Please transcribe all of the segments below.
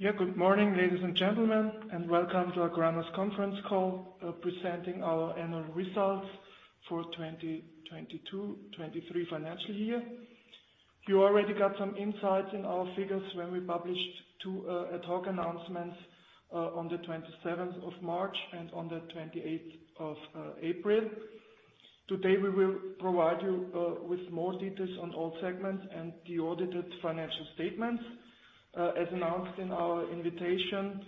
Yeah, good morning, ladies and gentlemen, and welcome to AGRANA's conference call, presenting our annual results for 2022-23 financial year. You already got some insights in our figures when we published ad hoc announcements on the 27th of March and on the 28th of April. Today we will provide you with more details on all segments and the audited financial statements. As announced in our invitation,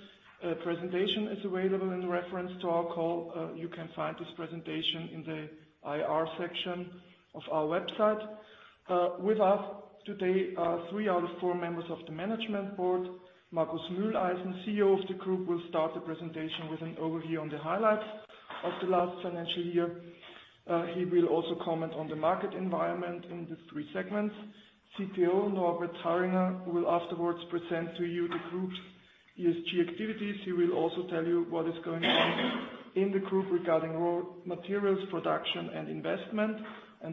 presentation is available in reference to our call. You can find this presentation in the IR section of our website. With us today are three out of four members of the management board. Markus Mühleisen, CEO of the group, will start the presentation with an overview on the highlights of the last financial year. He will also comment on the market environment in the three segments. CTO Norbert Harringer will afterwards present to you the group's ESG activities. He will also tell you what is going on in the group regarding raw materials, production, and investment.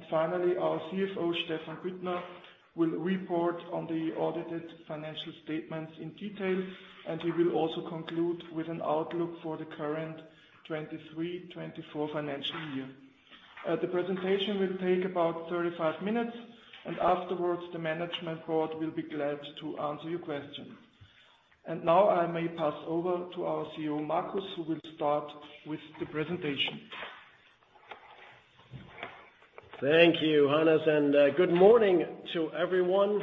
Finally, our CFO Stephan Büttner will report on the audited financial statements in detail. He will also conclude with an outlook for the current 2023-2024 financial year. The presentation will take about 35 minutes. Afterwards the management board will be glad to answer your questions. Now I may pass over to our CEO Markus, who will start with the presentation. Thank you, Hannes. Good morning to everyone.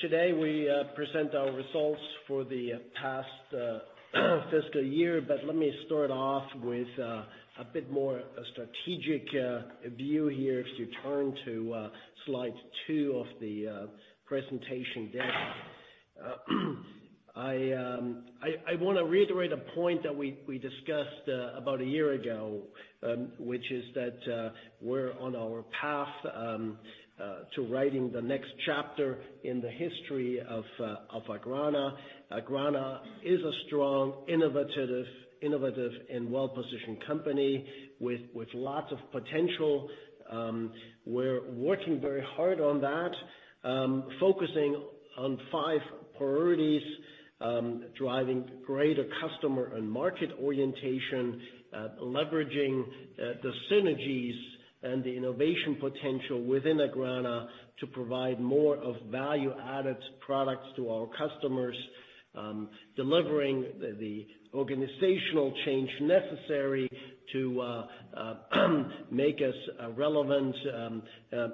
Today we present our results for the past fiscal year. Let me start off with a bit more strategic view here if you turn to slide two of the presentation deck. I wanna reiterate a point that we discussed about a year ago, which is that we're on our path to writing the next chapter in the history of AGRANA. AGRANA is a strong, innovative, and well-positioned company with lots of potential. we're working very hard on that, focusing on five priorities, driving greater customer and market orientation, leveraging, the synergies and the innovation potential within AGRANA to provide more of value-added products to our customers, delivering the organizational change necessary to, make us, relevant,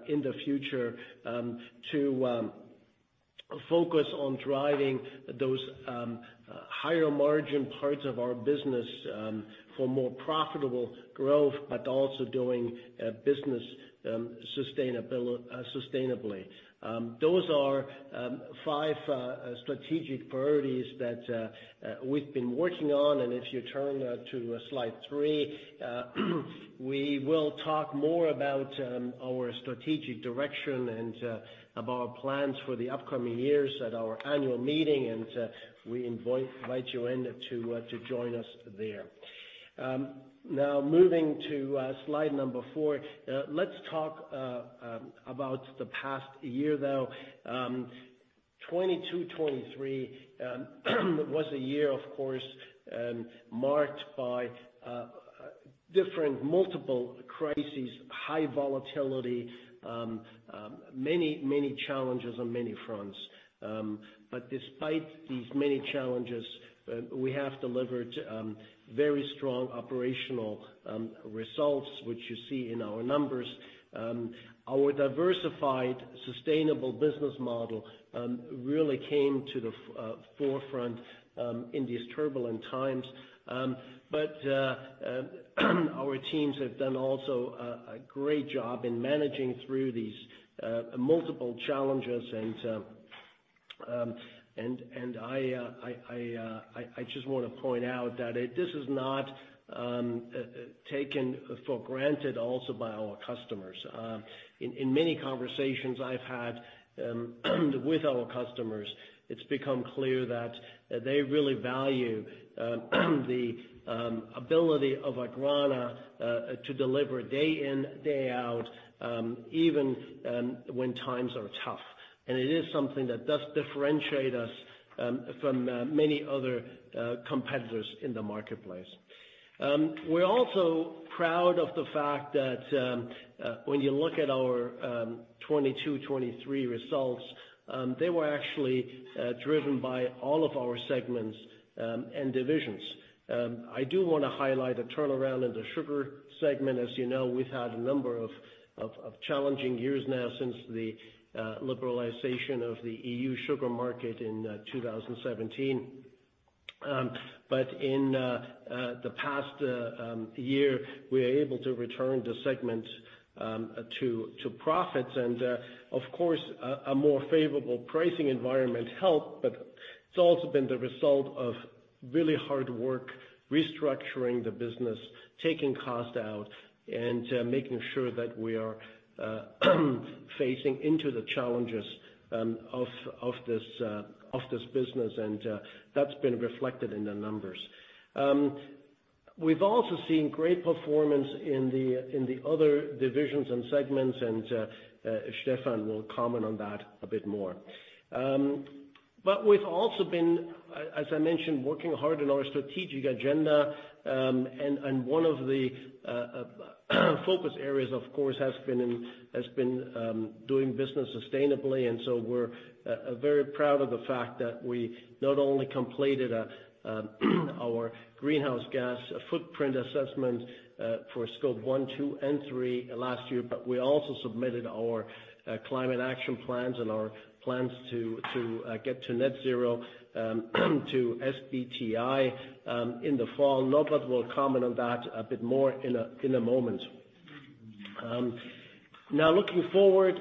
in the future, to, focus on driving those, higher-margin parts of our business, for more profitable growth but also doing, business, sustainably. those are, five, strategic priorities that, we've been working on. If you turn, to, slide three, we will talk more about, our strategic direction and, about our plans for the upcoming years at our annual meeting, and, we invite you in to join us there. now moving to, slide number four, let's talk, about the past year, though. 2022-2023, was a year, of course, marked by, different multiple crises, high volatility, many challenges on many fronts. Despite these many challenges, we have delivered very strong operational results, which you see in our numbers. Our diversified, sustainable business model really came to the forefront in these turbulent times. Our teams have done also a great job in managing through these multiple challenges. I just wanna point out that this is not taken for granted also by our customers. In many conversations I've had with our customers, it's become clear that they really value the ability of AGRANA to deliver day in, day out, even when times are tough. It is something that does differentiate us from many other competitors in the marketplace. We're also proud of the fact that when you look at our 2022-2023 results, they were actually driven by all of our segments and divisions. I do wanna highlight the turnaround in the sugar segment. As you know, we've had a number of challenging years now since the liberalization of the EU sugar market in 2017. But in the past year, we were able to return the segment to profits. Of course, a more favorable pricing environment helped, but it's also been the result of really hard work restructuring the business, taking cost out, and making sure that we are facing into the challenges of this business. That's been reflected in the numbers. We've also seen great performance in the other divisions and segments, and Stephan will comment on that a bit more. We've also been, as I mentioned, working hard on our strategic agenda. One of the focus areas, of course, has been doing business sustainably. We're very proud of the fact that we not only completed our greenhouse gas footprint assessment for Scope 1, 2, and 3 last year, but we also submitted our climate action plans and our plans to get to net zero to SBTi in the fall. Norbert will comment on that a bit more in a moment. Looking forward,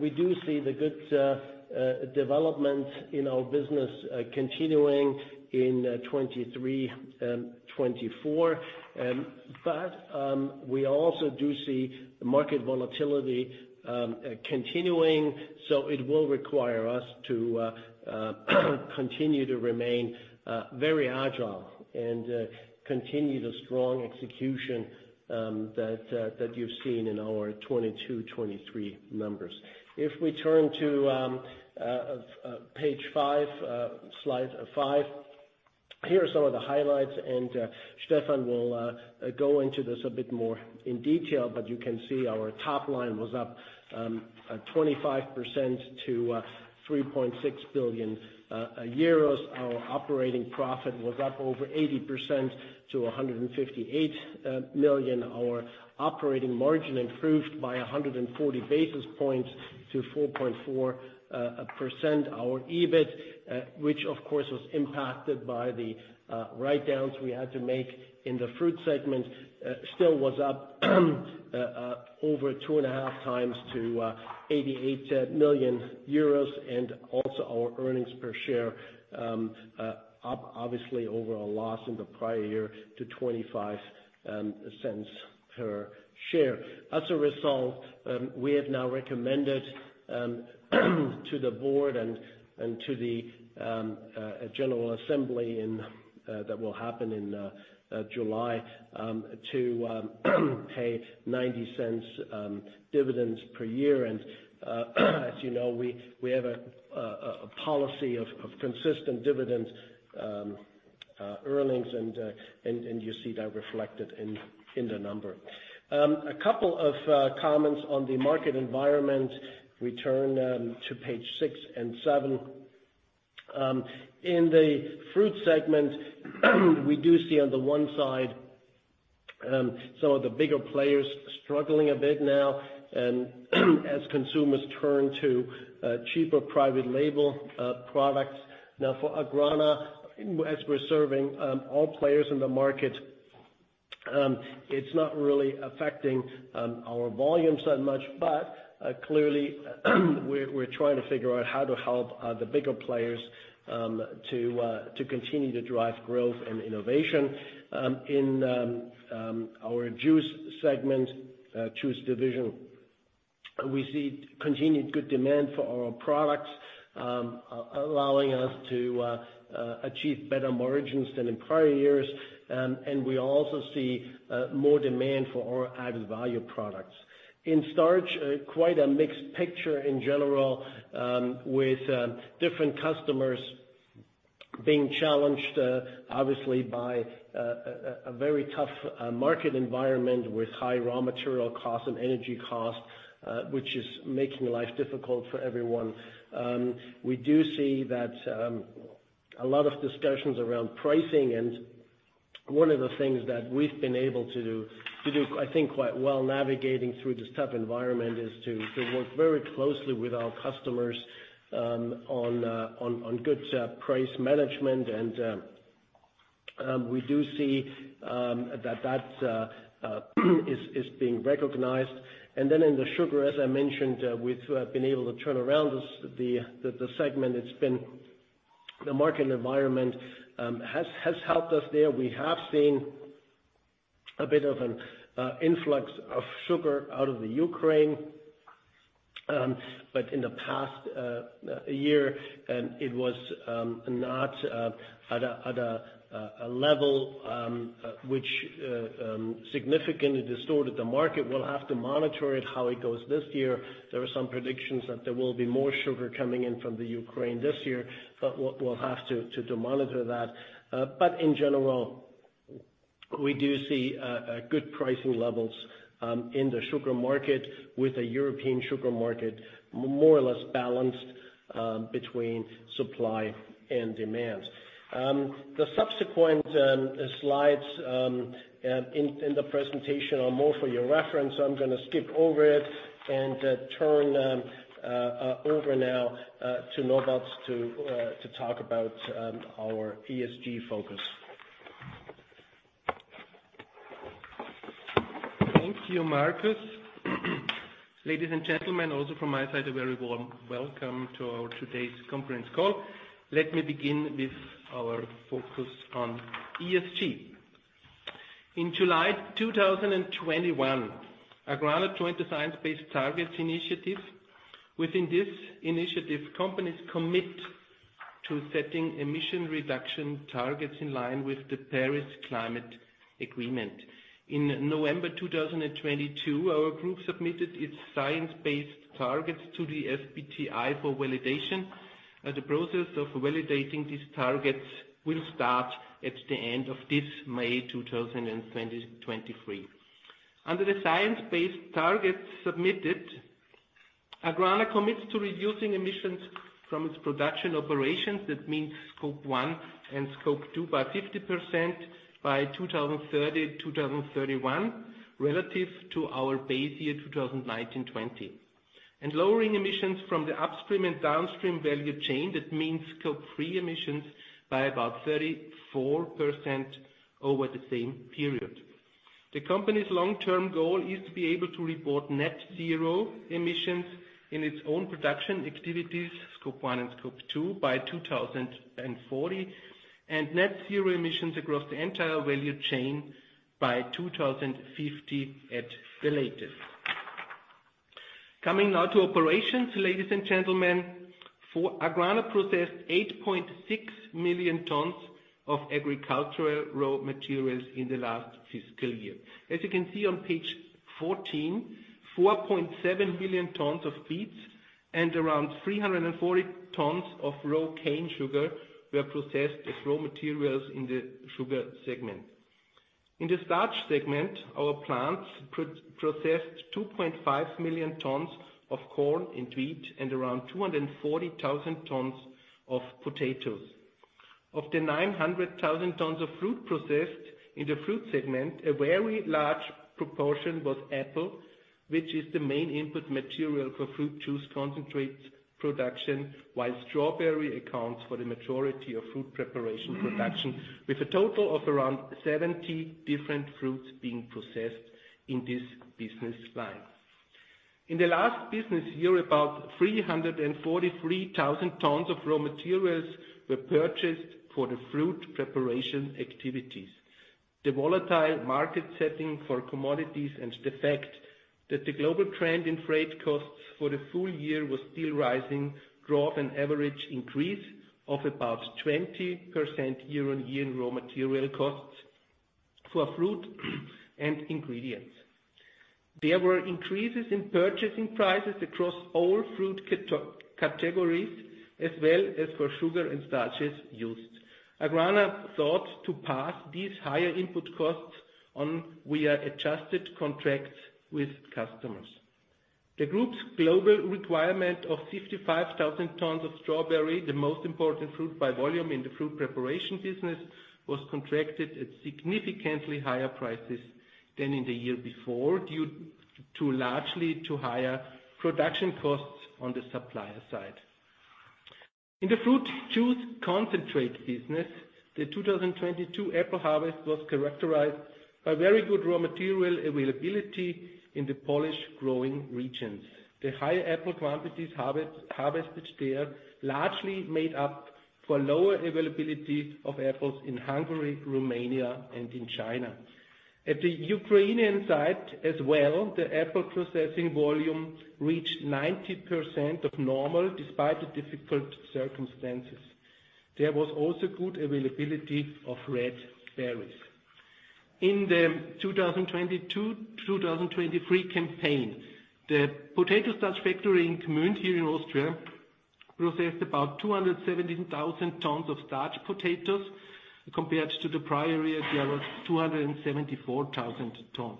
we do see the good developments in our business continuing in 2023 and 2024. We also do see market volatility continuing, so it will require us to continue to remain very agile and continue the strong execution that you've seen in our 2022-2023 numbers. If we turn to page five, slide five, here are some of the highlights. Stephan will go into this a bit more in detail, but you can see our top line was up 25% to 3.6 billion euros. Our operating profit was up over 80% to 158 million. Our operating margin improved by 140 basis points to 4.4%. Our EBIT, which of course was impacted by the write-downs we had to make in the fruit segment, still was up over two and a half times to 88 million euros. Also our earnings per share, obviously over a loss in the prior year to 0.25 per share. As a result, we have now recommended to the board and to the general assembly that will happen in July to pay 0.90 dividends per year. As you know, we have a policy of consistent dividend earnings. You see that reflected in the number. A couple of comments on the market environment. We turn to page six and seven. In the fruit segment, we do see on the one side, some of the bigger players struggling a bit now, as consumers turn to cheaper private label products. For AGRANA, as we're serving all players in the market, it's not really affecting our volumes that much. Clearly, we're trying to figure out how to help the bigger players to continue to drive growth and innovation. In our juice segment, juice division, we see continued good demand for our products, allowing us to achieve better margins than in prior years. We also see more demand for our added value products. In starch, quite a mixed picture in general, with different customers being challenged, obviously by a very tough market environment with high raw material cost and energy cost, which is making life difficult for everyone. We do see that a lot of discussions around pricing. One of the things that we've been able to do, I think, quite well navigating through this tough environment is to work very closely with our customers on good price management. We do see that is being recognized. In the sugar, as I mentioned, we've been able to turn around this the segment. The market environment has helped us there. We have seen a bit of an influx of sugar out of the Ukraine. In the past year, it was not at a level which significantly distorted the market. We'll have to monitor it how it goes this year. There are some predictions that there will be more sugar coming in from the Ukraine this year, we'll have to monitor that. In general, we do see good pricing levels in the sugar market with a European sugar market more or less balanced between supply and demand. The subsequent slides in the presentation are more for your reference, so I'm gonna skip over it and turn over now to Norbert to talk about our ESG focus. Thank you, Markus. Ladies and gentlemen, also from my side, a very warm welcome to our today's conference call. Let me begin with our focus on ESG. In July 2021, AGRANA joined the Science Based Targets initiative. Within this initiative, companies commit to setting emission reduction targets in line with the Paris Agreement. In November 2022, our group submitted its Science Based Targets to the SBTi for validation. The process of validating these targets will start at the end of this May 2023. Under the Science Based Targets submitted, AGRANA commits to reducing emissions from its production operations. That means Scope 1 and Scope 2 by 50% by 2030-2031 relative to our base year 2019-20. Lowering emissions from the upstream and downstream value chain. That means Scope 3 emissions by about 34% over the same period. The company's long-term goal is to be able to report net zero emissions in its own production activities, Scope 1 and Scope 2, by 2040. Net zero emissions across the entire value chain by 2050 at the latest. Coming now to operations, ladies and gentlemen, AGRANA processed 8.6 million tons of agricultural raw materials in the last fiscal year. As you can see on page 14, 4.7 million tons of beets and around 340 tons of raw cane sugar were processed as raw materials in the Sugar segment. In the Starch segment, our plants processed 2.5 million tons of corn and wheat and around 240,000 tons of potatoes. Of the 900,000 tons of fruit processed in the fruit segment, a very large proportion was apple, which is the main input material for fruit juice concentrates production, while strawberry accounts for the majority of fruit preparation production, with a total of around 70 different fruits being processed in this business line. In the last business year, about 343,000 tons of raw materials were purchased for the fruit preparation activities. The volatile market setting for commodities and the fact that the global trend in freight costs for the full year was still rising drove an average increase of about 20% year-over-year in raw material costs for fruit and ingredients. There were increases in purchasing prices across all fruit categories as well as for sugar and starches used. AGRANA thought to pass these higher input costs on via adjusted contracts with customers. The group's global requirement of 55,000 tons of strawberry, the most important fruit by volume in the fruit preparation business, was contracted at significantly higher prices than in the year before due to largely to higher production costs on the supplier side. In the fruit juice concentrate business, the 2022 apple harvest was characterized by very good raw material availability in the Polish growing regions. The higher apple quantities harvested there largely made up for lower availability of apples in Hungary, Romania, and in China. At the Ukrainian side as well, the apple processing volume reached 90% of normal despite the difficult circumstances. There was also good availability of red berries. In the 2022-2023 campaign, the potato starch factory in Gmünd here in Austria processed about 217,000 tons of starch potatoes compared to the prior year. There were 274,000 tons.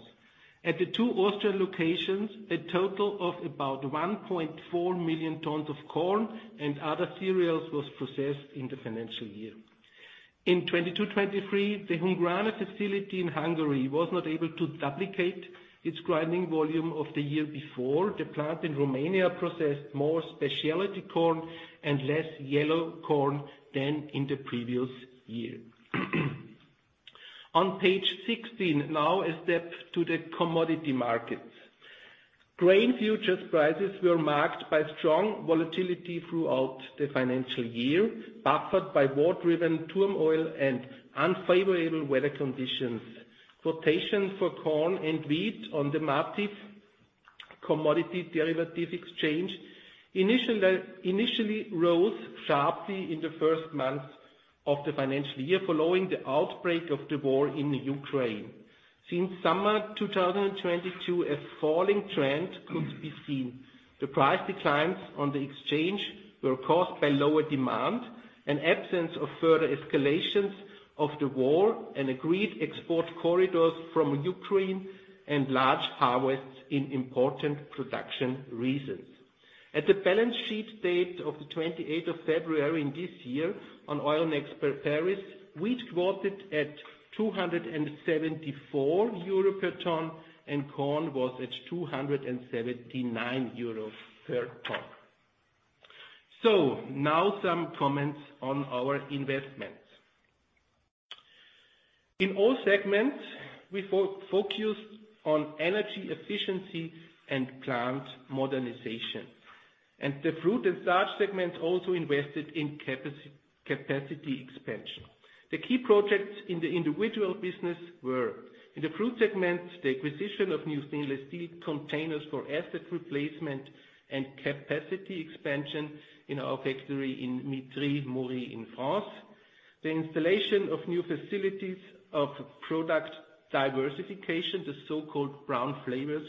At the two Austrian locations, a total of about 1.4 million tons of corn and other cereals was processed in the financial year. In 2022-2023, the Hungrana facility in Hungary was not able to duplicate its grinding volume of the year before. The plant in Romania processed more specialty corn and less yellow corn than in the previous year. On page 16, now a step to the commodity markets. Grain futures prices were marked by strong volatility throughout the financial year, buffered by war-driven turmoil and unfavorable weather conditions. Quotations for corn and wheat on the MATIF commodity derivatives exchange initially rose sharply in the first months of the financial year following the outbreak of the war in Ukraine. Since summer 2022, a falling trend could be seen. The price declines on the exchange were caused by lower demand, an absence of further escalations of the war, and agreed export corridors from Ukraine and large harvests in important production reasons. At the balance sheet date of the 28th of February in this year on Euronext Paris, wheat quoted at 274 euro per ton and corn was at 279 euro per ton. Now some comments on our investments. In all segments, we focused on energy efficiency and plant modernization. The fruit and starch segment also invested in capacity expansion. The key projects in the individual business were: in the fruit segment, the acquisition of new stainless steel containers for asset replacement and capacity expansion in our factory in Mitry-Mory in France, the installation of new facilities of product diversification, the so-called brown flavors,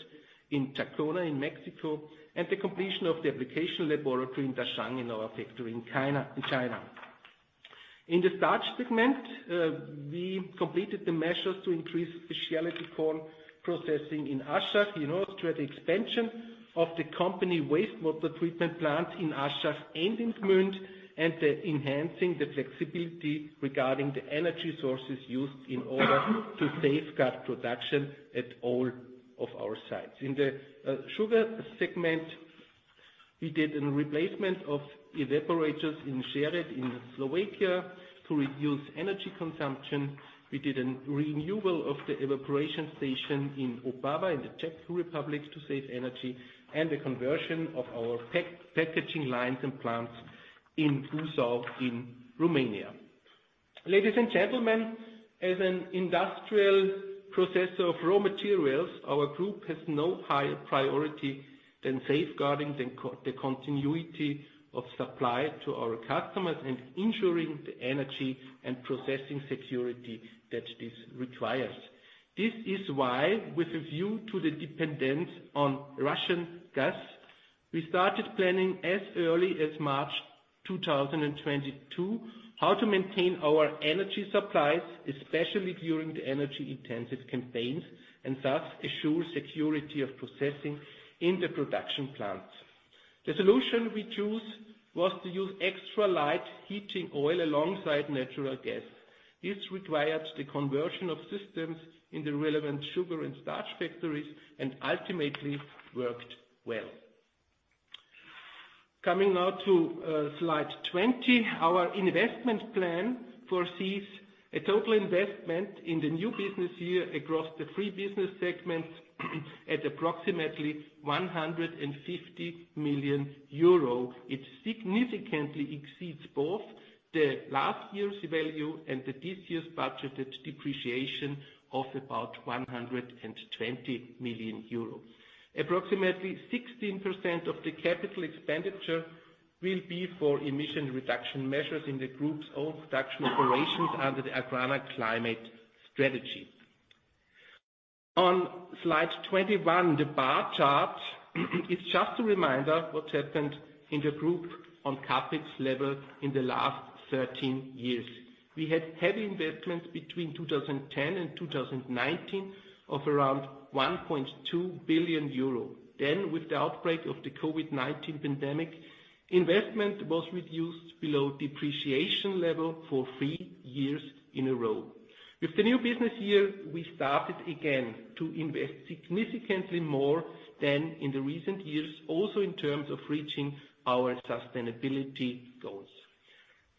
in Jacona in Mexico, and the completion of the application laboratory in Dachang in our factory in China in China. In the starch segment, we completed the measures to increase specialty corn processing in Aschach here in Austria at the expansion of the company wastewater treatment plant in Aschach and in Gmünd and the enhancing the flexibility regarding the energy sources used in order to safeguard production at all of our sites. In the sugar segment, we did an replacement of evaporators in Sereď in Slovakia to reduce energy consumption. We did a renewal of the evaporation station in Opava in the Czech Republic to save energy and the conversion of our packaging lines and plants in Buzău in Romania. Ladies and gentlemen, as an industrial processor of raw materials, our group has no higher priority than safeguarding the continuity of supply to our customers and ensuring the energy and processing security that this requires. This is why, with a view to the dependence on Russian gas, we started planning as early as March 2022 how to maintain our energy supplies, especially during the energy-intensive campaigns, and thus assure security of processing in the production plants. The solution we chose was to use extra-light heating oil alongside natural gas. This required the conversion of systems in the relevant sugar and starch factories and ultimately worked well. Coming now to slide 20, our investment plan foresees a total investment in the new business year across the three business segments at approximately 150 million euro. It significantly exceeds both the last year's value and the this year's budgeted depreciation of about 120 million euros. Approximately 16% of the capital expenditure will be for emission reduction measures in the group's own production operations under the AGRANA climate strategy. On slide 21, the bar chart is just a reminder of what happened in the group on CAPEX level in the last 13 years. We had heavy investments between 2010 and 2019 of around 1.2 billion euro. With the outbreak of the COVID-19 pandemic, investment was reduced below depreciation level for three years in a row. With the new business year, we started again to invest significantly more than in the recent years, also in terms of reaching our sustainability goals.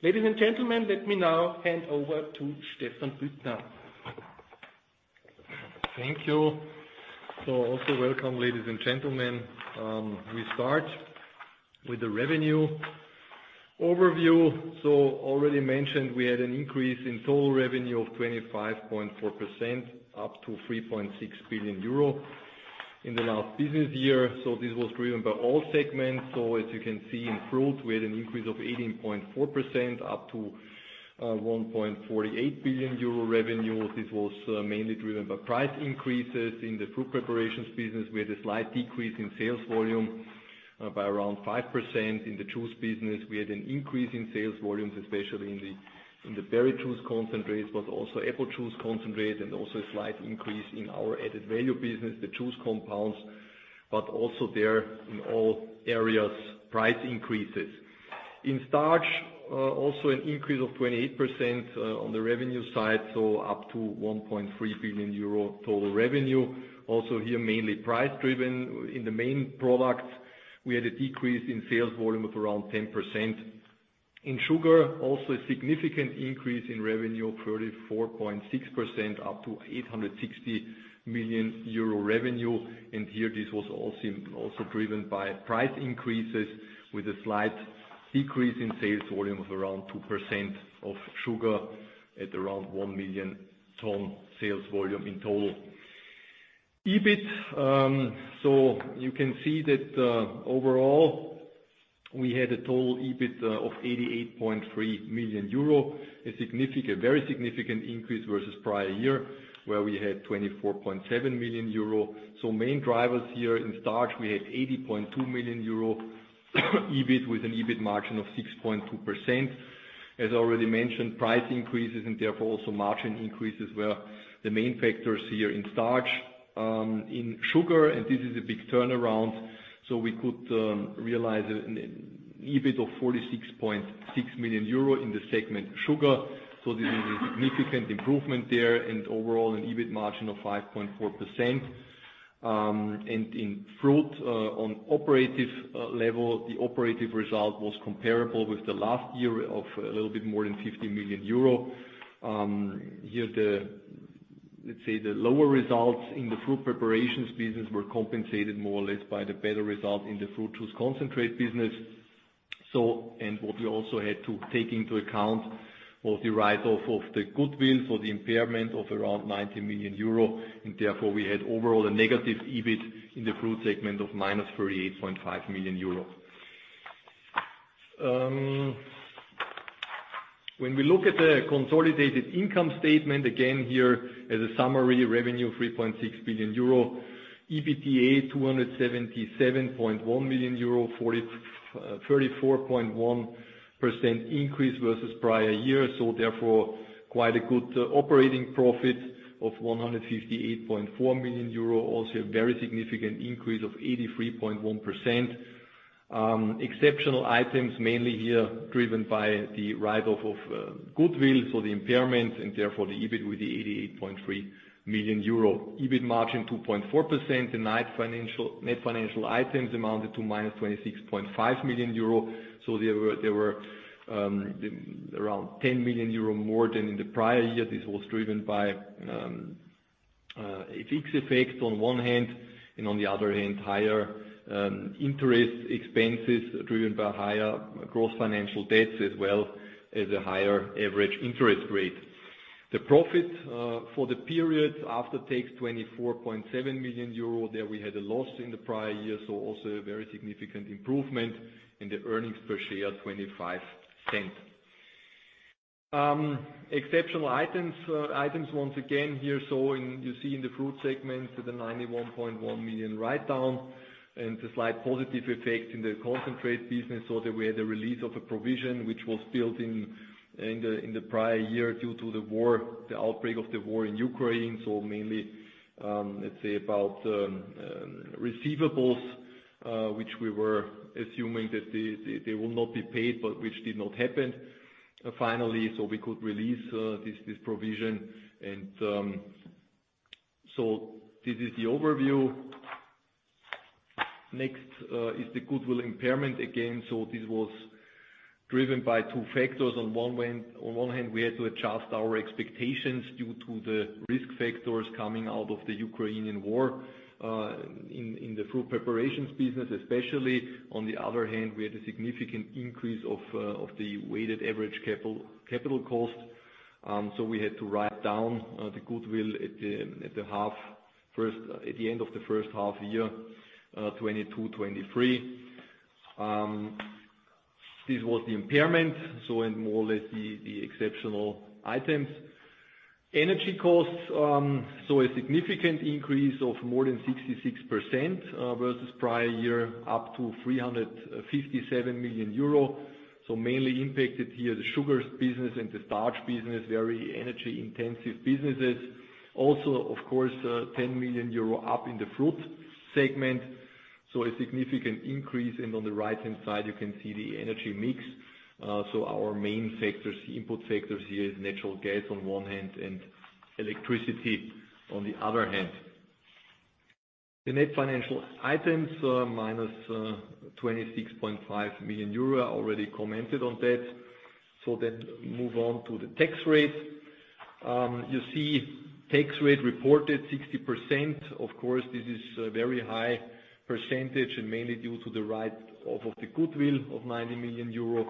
Ladies and gentlemen, let me now hand over to Stephan Büttner. Thank you. Also welcome, ladies and gentlemen. We start with the revenue overview. Already mentioned, we had an increase in total revenue of 25.4% up to 3.6 billion euro in the last business year. This was driven by all segments. As you can see in Fruit, we had an increase of 18.4% up to 1.48 billion euro revenue. This was mainly driven by price increases. In the fruit preparations business, we had a slight decrease in sales volume by around 5%. In the juice business, we had an increase in sales volumes, especially in the berry juice concentrates, but also apple juice concentrate, and also a slight increase in our added value business, the juice compounds. Also there, in all areas, price increases. In Starch, also an increase of 28% on the revenue side, up to 1.3 billion euro total revenue. Mainly price-driven. In the main products, we had a decrease in sales volume of around 10%. A significant increase in revenue, 34.6% up to 860 million euro revenue. This was also driven by price increases with a slight decrease in sales volume of around 2% of sugar at around 1 million tons sales volume in total. EBIT, we had a total EBIT of 88.3 million euro, a very significant increase versus prior year where we had 24.7 million euro. In starch, we had 80.2 million euro EBIT with an EBIT margin of 6.2%. As already mentioned, price increases and therefore also margin increases were the main factors here in starch. In sugar, and this is a big turnaround, we could realize an EBIT of 46.6 million euro in the segment sugar. This is a significant improvement there. Overall an EBIT margin of 5.4%. In Fruit, on operative level, the operative result was comparable with the last year of a little bit more than 50 million euro. Here, the let's say the lower results in the fruit preparations business were compensated more or less by the better result in the fruit juice concentrate business. What we also had to take into account was the write-off of the goodwill for the impairment of around 90 million euro. Therefore, we had overall a negative EBIT in the Fruit segment of minus 38.5 million euro. When we look at the consolidated income statement, again here as a summary, revenue 3.6 billion euro, EBITDA 277.1 million euro, 44.1% increase versus prior year. Therefore, quite a good operating profit of 158.4 million euro, also a very significant increase of 83.1%. exceptional items mainly here driven by the write-off of goodwill, so the impairment, and therefore the EBIT with the 88.3 million euro. EBIT margin 2.4%. The net financial items amounted to minus 26.5 million euro. So there were around 10 million euro more than in the prior year. This was driven by a fixed effect on one hand and on the other hand higher interest expenses driven by higher gross financial debts as well as a higher average interest rate. The profit for the period after tax 24.7 million euro, there we had a loss in the prior year, so also a very significant improvement, and the earnings per share 0.25. exceptional items once again here. So in you see in the fruit segment, the 91.1 million write-down and the slight positive effect in the concentrate business. There we had a release of a provision which was built in the prior year due to the war, the outbreak of the war in Ukraine. Mainly, let's say about receivables, which we were assuming that they will not be paid, but which did not happen finally. We could release this provision. This is the overview. Next is the goodwill impairment again. This was driven by two factors. On one hand, we had to adjust our expectations due to the risk factors coming out of the Ukrainian war in the Fruit Preparations business especially. On the other hand, we had a significant increase of the weighted average capital cost. We had to write down the goodwill at the end of the first half year, 2022-2023. This was the impairment, more or less the exceptional items. Energy costs, a significant increase of more than 66% versus prior year up to 357 million euro. Mainly impacted here the sugar business and the starch business, very energy-intensive businesses. Also, of course, 10 million euro up in the fruit segment. A significant increase. On the right-hand side, you can see the energy mix. Our main factors, the input factors here is natural gas on one hand and electricity on the other hand. The net financial items, minus 26.5 million euro. I already commented on that. Move on to the tax rates. You see tax rate reported 60%. Of course, this is a very high percentage and mainly due to the write-off of the goodwill of 90 million euro.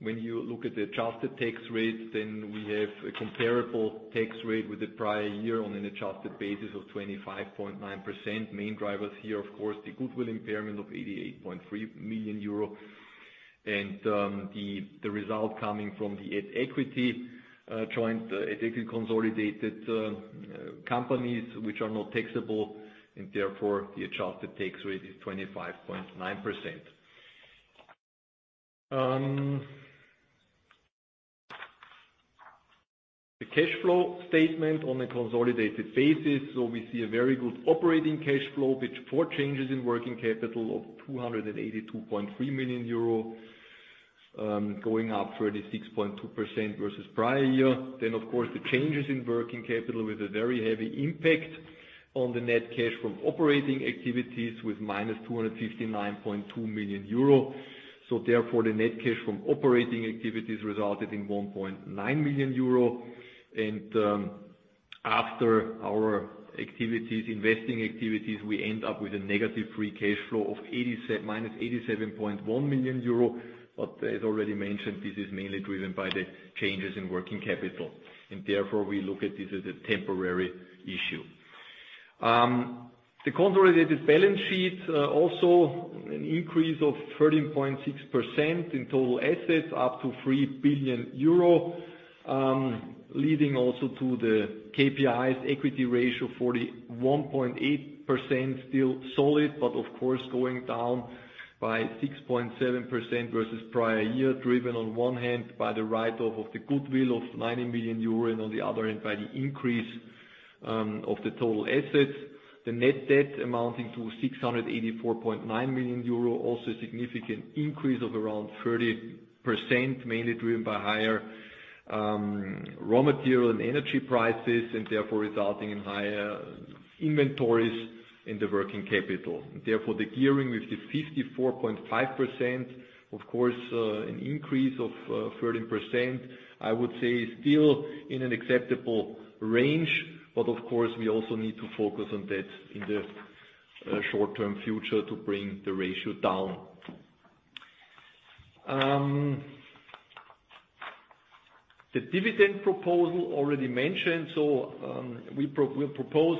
When you look at the adjusted tax rate, we have a comparable tax rate with the prior year on an adjusted basis of 25.9%. Main drivers here, of course, the goodwill impairment of 88.3 million euro and the result coming from the at equity, joint at equity consolidated, companies which are not taxable. Therefore, the adjusted tax rate is 25.9%. The cash flow statement on a consolidated basis. We see a very good operating cash flow with four changes in working capital of 282.3 million euro, going up 36.2% versus prior year. Of course, the changes in working capital with a very heavy impact on the net cash from operating activities with -259.2 million euro. Therefore, the net cash from operating activities resulted in 1.9 million euro. After our activities, investing activities, we end up with a negative free cash flow of -87.1 million euro. As already mentioned, this is mainly driven by the changes in working capital. Therefore, we look at this as a temporary issue. The consolidated balance sheet, also an increase of 13.6% in total assets up to 3 billion euro, leading also to the KPIs, equity ratio 41.8% still solid, but of course, going down by 6.7% versus prior year driven on one hand by the write-off of the goodwill of 90 million euro and on the other hand by the increase of the total assets. The net debt amounting to 684.9 million euro, also a significant increase of around 30% mainly driven by higher raw material and energy prices and therefore resulting in higher inventories in the working capital. Therefore, the gearing with the 54.5%, of course, an increase of 13%, I would say is still in an acceptable range. Of course, we also need to focus on debt in the short-term future to bring the ratio down. The dividend proposal already mentioned. We'll propose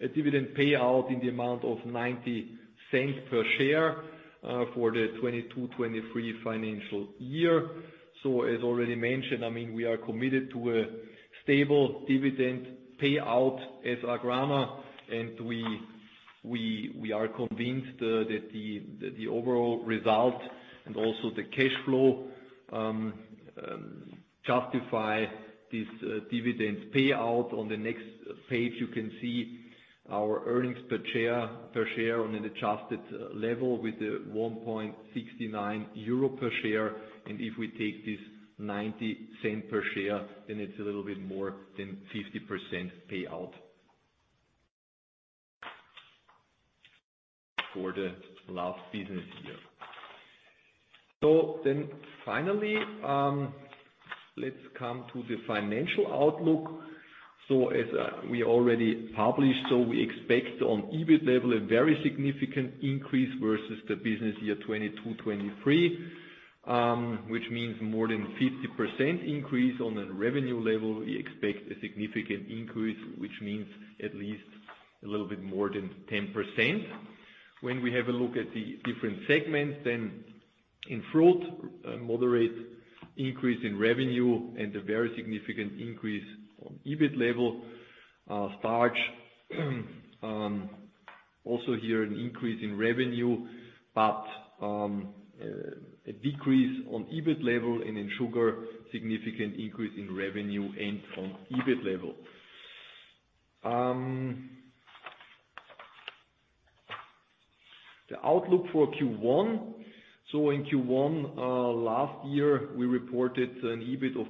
a dividend payout in the amount of 0.90 per share for the 2022-2023 financial year. As already mentioned, I mean, we are committed to a stable dividend payout as AGRANA. We are convinced that the overall result and also the cash flow justify this dividend payout. On the next page, you can see our earnings per share on an adjusted level with the 1.69 euro per share. If we take this 0.90 per share, then it's a little bit more than 50% payout for the last business year. Finally, let's come to the financial outlook. As we already published, we expect on EBIT level a very significant increase versus the business year 2022-2023, which means more than 50% increase. On a revenue level, we expect a significant increase, which means at least a little bit more than 10%. When we have a look at the different segments, in Fruit, a moderate increase in revenue and a very significant increase on EBIT level. Starch, also here an increase in revenue, a decrease on EBIT level. In Sugar, significant increase in revenue and on EBIT level. The outlook for Q1. In Q1, last year, we reported an EBIT of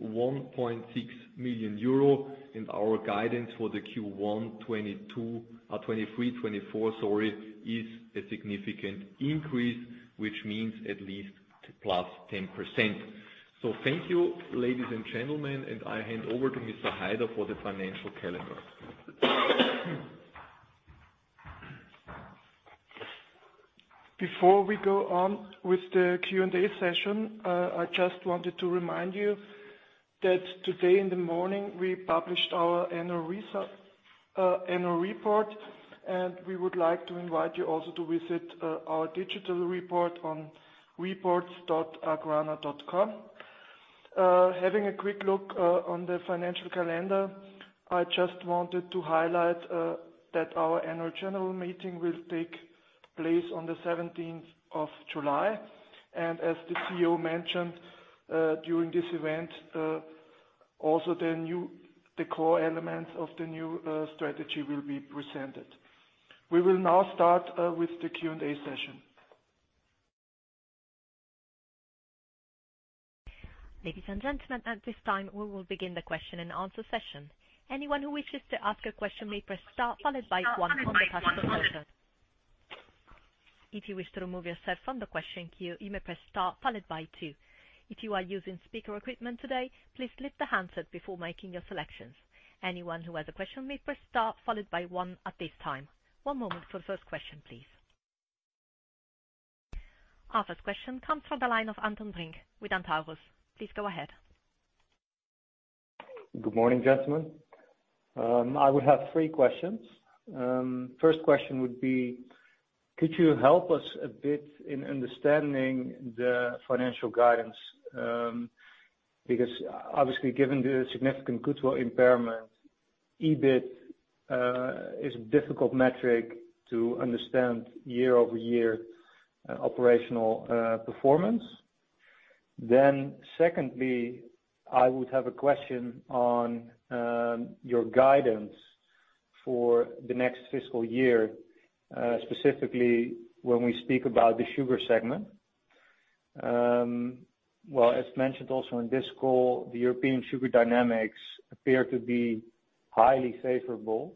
51.6 million euro. Our guidance for the Q1 2023-2024 is a significant increase, which means at least +10%. Thank you, ladies and gentlemen. I hand over to Mr. Haider for the financial calendar. Before we go on with the Q&A session, I just wanted to remind you that today in the morning, we published our annual research annual report. We would like to invite you also to visit our digital report on reports.agrana.com. Having a quick look on the financial calendar, I just wanted to highlight that our annual general meeting will take place on the 17th of July. As the CEO mentioned, during this event, also the core elements of the new strategy will be presented. We will now start with the Q&A session. Ladies and gentlemen, at this time, we will begin the question and answer session. Anyone who wishes to ask a question may press star followed by one on the touchscreen button. If you wish to remove yourself from the question queue, you may press start followed by two. If you are using speaker equipment today, please lift the handset before making your selections. Anyone who has a question may press start followed by one at this time. One moment for the first question, please. Our first question comes from the line of Anton Brink with Antaurus. Please go ahead. Good morning, gentlemen. I would have three questions. First question would be, could you help us a bit in understanding the financial guidance, because obviously, given the significant goodwill impairment, EBIT is a difficult metric to understand year-over-year operational performance. Secondly, I would have a question on your guidance for the next fiscal year, specifically when we speak about the Sugar segment. Well, as mentioned also in this call, the European sugar dynamics appear to be highly favorable,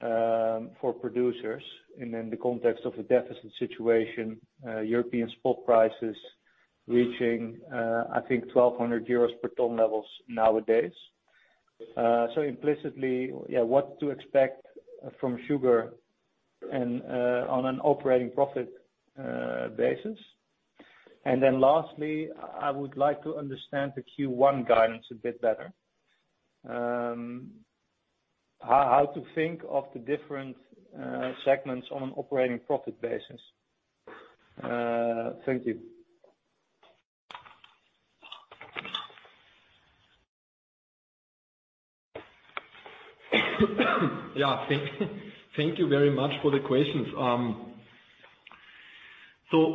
for producers in the context of a deficit situation, European spot prices reaching, I think, 1,200 euros per ton levels nowadays. Implicitly, yeah, what to expect from sugar and, on an operating profit, basis. Lastly, I would like to understand the Q1 guidance a bit better. How to think of the different, segments on an operating profit basis. Thank you. Yeah. Thank you very much for the questions.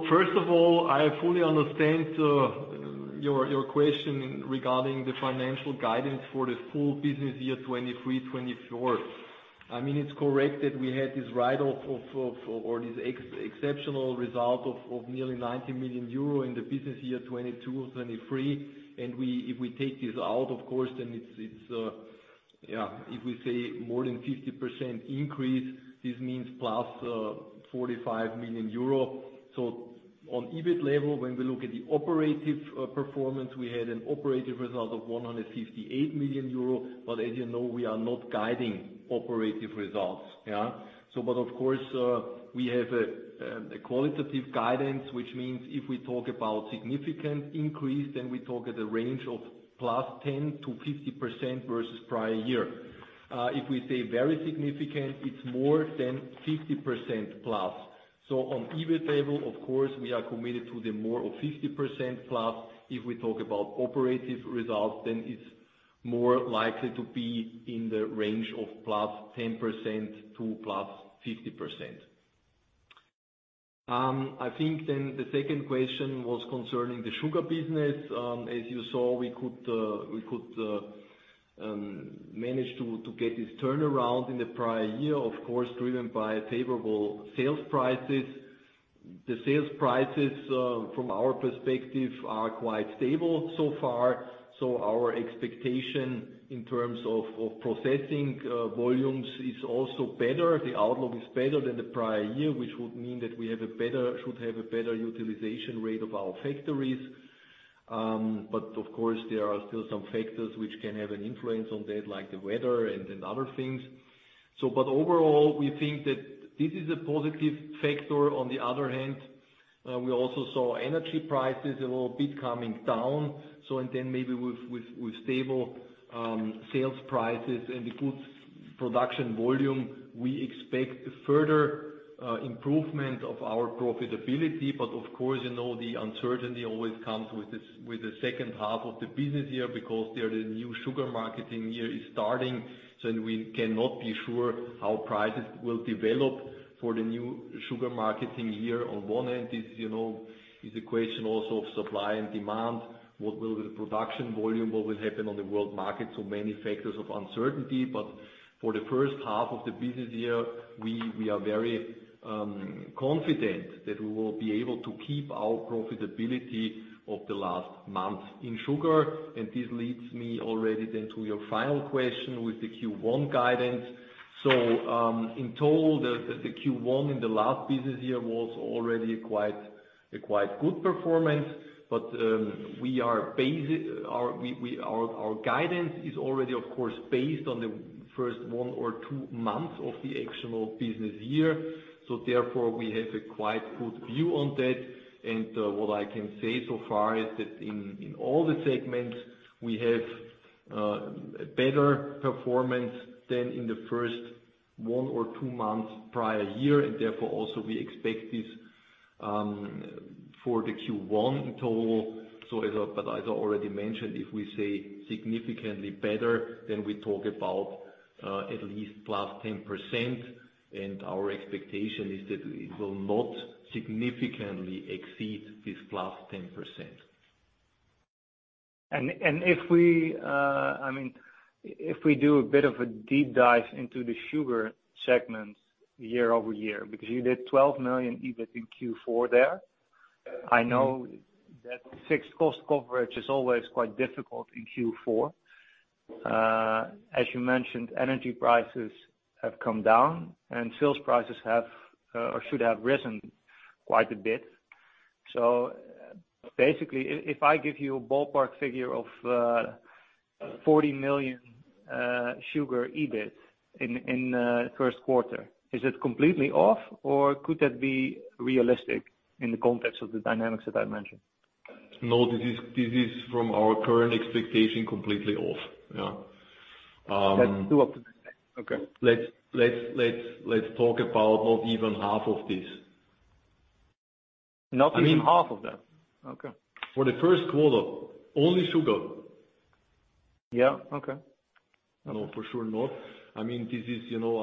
First of all, I fully understand, your question regarding the financial guidance for the full business year 2023-2024. I mean, it's correct that we had this write-off of or this exceptional result of nearly 90 million euro in the business year 2022-2023. We if we take this out, of course, then it's, if we say more than 50% increase, this means +45 million euro. On EBIT level, when we look at the operative performance, we had an operative result of 158 million euro. As you know, we are not guiding operative results. Of course, we have a qualitative guidance, which means if we talk about significant increase, then we talk at a range of +10%-50% versus prior year. If we say very significant, it's more than 50% plus. On EBIT level, of course, we are committed to the more of 50% plus. If we talk about operative results, then it's more likely to be in the range of +10% to +50%. I think then the second question was concerning the sugar business. As you saw, we could manage to get this turnaround in the prior year, of course, driven by favorable sales prices. The sales prices, from our perspective, are quite stable so far. Our expectation in terms of processing volumes is also better. The outlook is better than the prior year, which would mean that we should have a better utilization rate of our factories. Of course, there are still some factors which can have an influence on that, like the weather and other things. Overall, we think that this is a positive factor. On the other hand, we also saw energy prices a little bit coming down. Maybe with stable sales prices and the goods production volume, we expect further improvement of our profitability. Of course, you know, the uncertainty always comes with this with the second half of the business year because there the new sugar marketing year is starting. We cannot be sure how prices will develop for the new sugar marketing year on one hand. This, you know, is a question also of supply and demand. What will with the production volume? What will happen on the world market? Many factors of uncertainty. For the first half of the business year, we are very confident that we will be able to keep our profitability of the last month in sugar. This leads me already then to your final question with the Q1 guidance. In total, the Q1 in the last business year was already a quite good performance. We are basic our guidance is already, of course, based on the first one or two months of the actual business year. Therefore, we have a quite good view on debt. What I can say so far is that in all the segments, we have better performance than in the first one or two months prior year. Therefore, also, we expect this for the Q1 in total. As I already mentioned, if we say significantly better, then we talk about at least +10%. Our expectation is that it will not significantly exceed this +10%. If we, I mean, if we do a bit of a deep dive into the sugar segments year-over-year because you did 12 million EBIT in Q4 there, I know that fixed cost coverage is always quite difficult in Q4. As you mentioned, energy prices have come down. Sales prices have, or should have risen quite a bit. Basically, if I give you a ballpark figure of 40 million sugar EBIT in first quarter, is it completely off, or could that be realistic in the context of the dynamics that I mentioned? No, this is from our current expectation completely off, Yeah? That's too optimistic. Okay. Let's talk about not even half of this. Not even half of that. Okay. For the first quarter, only sugar. Yeah. Okay. No, for sure not. I mean, this is you know,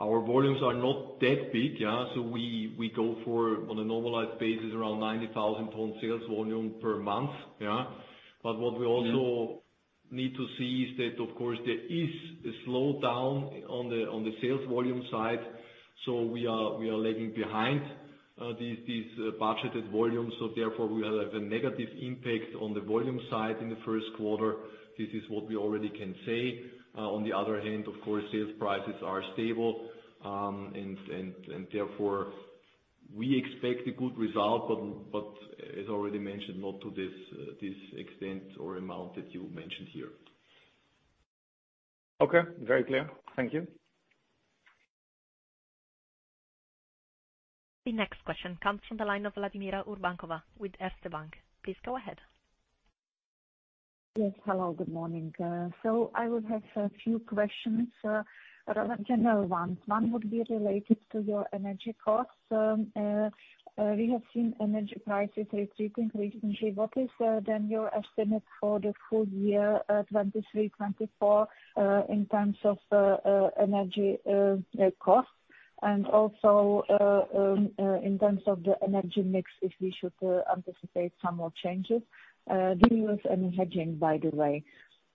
our volumes are not that big, yeah? We go for on a normalized basis around 90,000 ton sales volume per month, yeah? What we also need to see is that, of course, there is a slowdown on the sales volume side. We are lagging behind these budgeted volumes. Therefore, we have a negative impact on the volume side in the first quarter. This is what we already can say. On the other hand, of course, sales prices are stable. Therefore, we expect a good result. As already mentioned, not to this extent or amount that you mentioned here. Okay. Very clear. Thank you. The next question comes from the line of Vladimíra Urbánková with Erste Group Bank. Please go ahead. Yes. Hello. Good morning. I would have a few questions, rather general ones. One would be related to your energy costs. We have seen energy prices retreating recently. What is then your estimate for the full year 2023-2024 in terms of energy costs? Also, in terms of the energy mix, if we should anticipate some more changes. Do you use any hedging, by the way?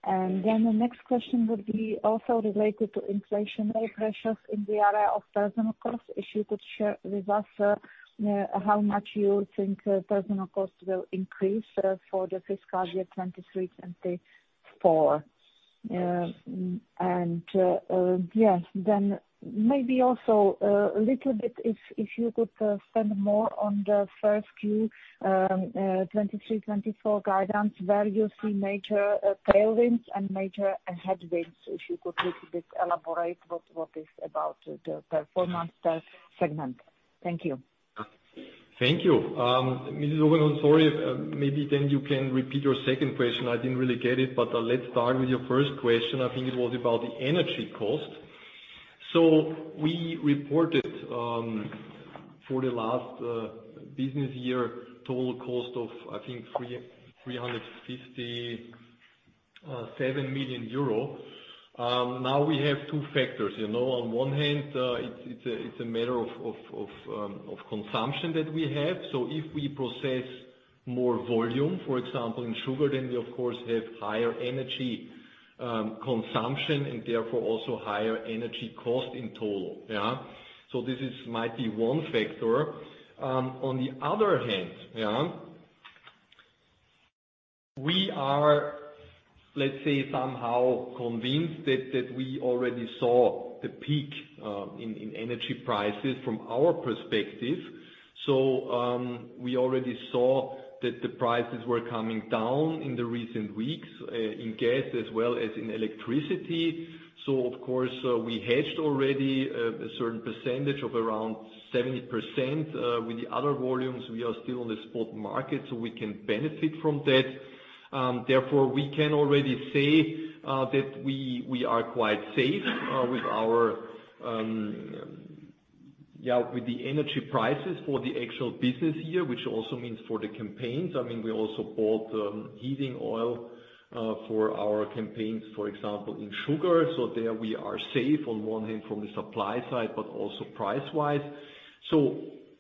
The next question would be also related to inflationary pressures in the area of personal costs. If you could share with us how much you think personal costs will increase for the fiscal year 2023-2024. Yeah. Maybe also, if you could spend more on the 1st Q 2023-2024 guidance, where you see major tailwinds and major headwinds, if you could elaborate a little bit what is about the performance per segment. Thank you. Thank you. Mrs. Urbankova, sorry. Maybe you can repeat your second question. I didn't really get it. Let's start with your first question. I think it was about the energy cost. We reported, for the last business year, total cost of, I think, 350.7 million euro. We have two factors, you know? On one hand, it's a matter of consumption that we have. If we process more volume, for example, in sugar, then we, of course, have higher energy consumption and therefore also higher energy cost in total, yeah? This is might be one factor. On the other hand, yeah, we are, let's say, somehow convinced that we already saw the peak in energy prices from our perspective. We already saw that the prices were coming down in the recent weeks, in gas as well as in electricity. Of course, we hedged already, a certain percentage of around 70%, with the other volumes. We are still on the spot market. We can benefit from debt. Therefore, we can already say that we are quite safe with our, yeah, with the energy prices for the actual business year, which also means for the campaigns. I mean, we also bought heating oil for our campaigns, for example, in sugar. There we are safe on one hand from the supply side but also price-wise.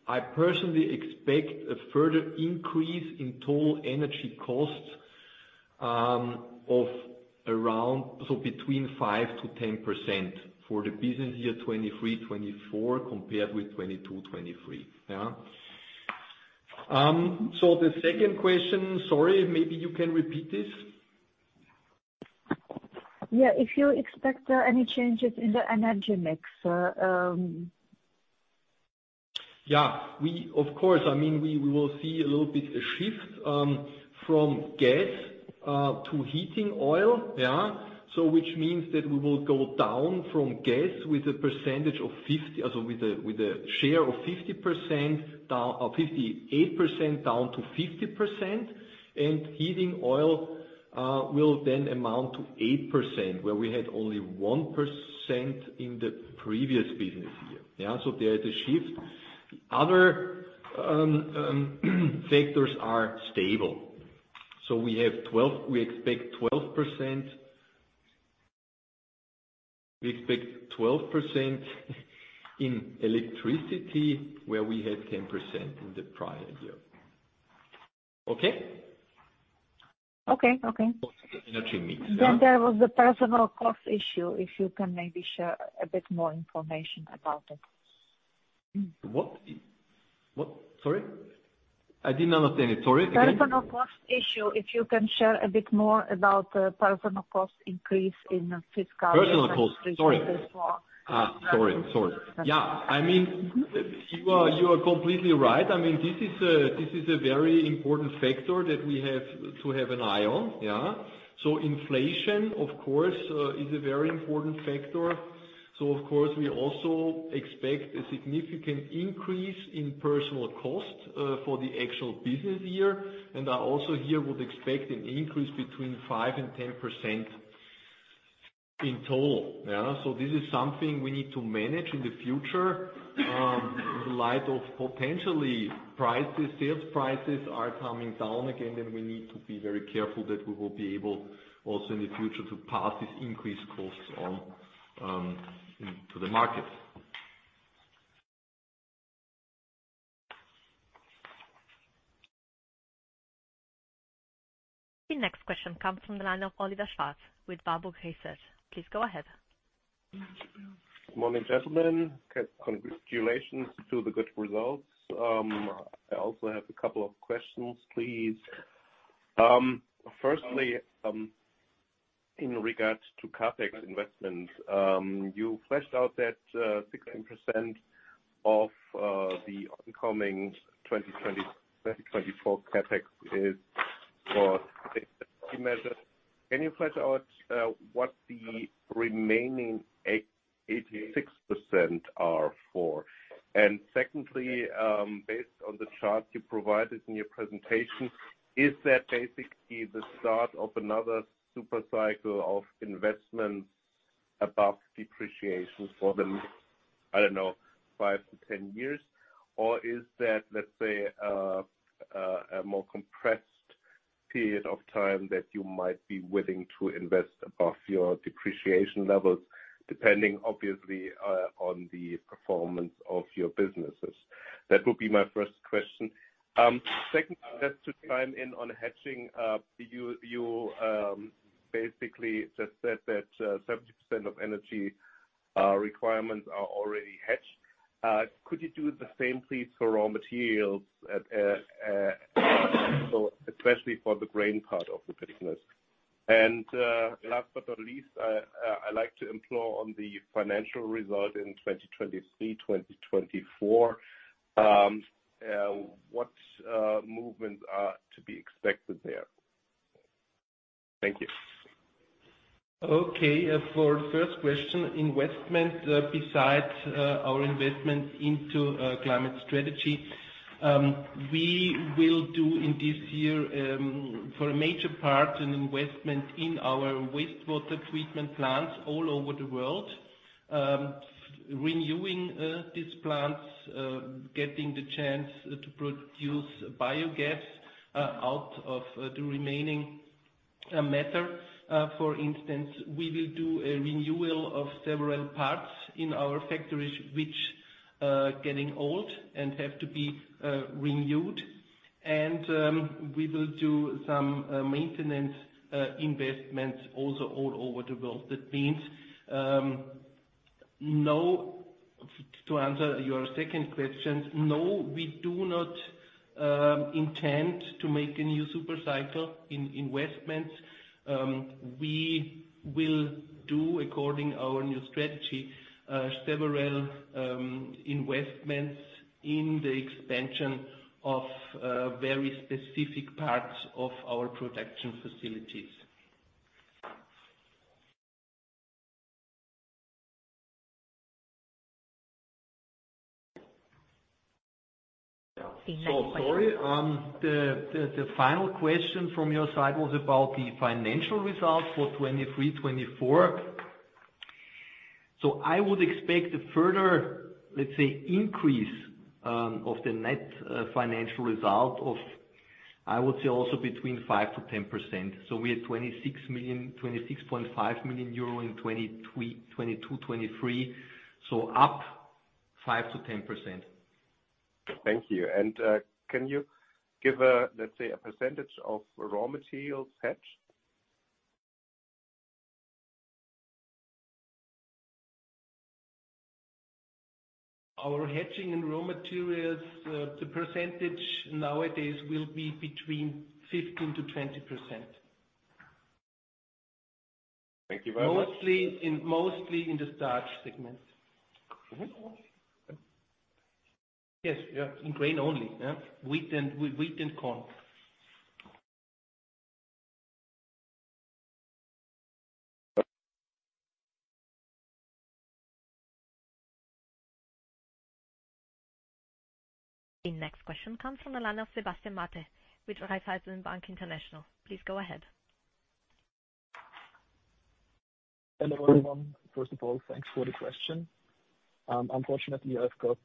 I personally expect a further increase in total energy costs of around 5%-10% for the business year 2023-2024 compared with 2022-2023, yeah? The second question, sorry. Maybe you can repeat this. Yeah. If you expect any changes in the energy mix, Yeah. We of course, I mean, we will see a little bit a shift from gas to heating oil, yeah? Which means that we will go down from gas with a percentage of 50% also with a share of 50% down or 58% down to 50%. Heating oil will then amount to 8% where we had only 1% in the previous business year, yeah? There is a shift. Other factors are stable. We expect 12%. We expect 12% in electricity where we had 10% in the prior year. Okay? Okay. Okay. Energy mix, yeah? There was the personal cost issue, if you can maybe share a bit more information about it. What sorry. I didn't understand it. Sorry again. Personal cost issue, if you can share a bit more about the personal cost increase in fiscal year 2023-2024? Personal cost. Sorry. Yeah, I mean, you are completely right. I mean, this is a very important factor that we have to have an eye on, yeah? Inflation, of course, is a very important factor. Of course, we also expect a significant increase in personal cost for the actual business year. I also here would expect an increase between 5% and 10% in total, yeah? This is something we need to manage in the future, in the light of potentially prices sales prices are coming down again. We need to be very careful that we will be able also in the future to pass these increased costs on into the market. The next question comes from the line of Oliver Schwarz with Warburg Research. Please go ahead. Good morning, gentlemen. Congratulations to the good results. I also have a couple of questions, please. Firstly, in regard to CAPEX investments, you fleshed out that 16% of the upcoming 2020-2024 CAPEX is for measures. Can you flesh out what the remaining 86% are for? Secondly, based on the chart you provided in your presentation, is that basically the start of another super cycle of investments above depreciation for the next, I don't know, 5-10 years? Or is that, let's say, a more compressed period of time that you might be willing to invest above your depreciation levels depending, obviously, on the performance of your businesses? That would be my first question. secondly, just to chime in on hedging, you basically just said that, 70% of energy, requirements are already hedged. Could you do the same, please, for raw materials especially for the grain part of the business? Last but not least, I like to implore on the financial result in 2023-2024. What, movements are to be expected there? Thank you. Okay. For the first question, investment, besides, our investments into, climate strategy, we will do in this year, for a major part an investment in our wastewater treatment plants all over the world, renewing, these plants, getting the chance to produce biogas, out of, the remaining, matter. For instance, we will do a renewal of several parts in our factories which, getting old and have to be, renewed. We will do some, maintenance, investments also all over the world. To answer your second question, no, we do not intend to make a new super cycle in investments. We will do, according to our new strategy, several investments in the expansion of very specific parts of our production facilities. The next question. Sorry. The final question from your side was about the financial results for 2023-2024. I would expect a further, let's say, increase of the net financial result of, I would say, also between 5%-10%. We had EUR 26.5 million in 2022-2023. Up 5%-10%. Thank you, Vladimir. Can you give a let's say, a percentage of raw materials hedged? Our hedging in raw materials, the percentage nowadays will be between 15%-20%. Thank you, Vladimir. Mostly in the Starch segment. Yes. Yeah. In grain only, yeah? Wheat and wheat and corn. The next question comes from the line of Sebastian Mathe with Raiffeisen Bank International. Please go ahead. Hello, everyone. First of all, thanks for the question. Unfortunately, I've got